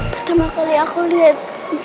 pertama kali aku liat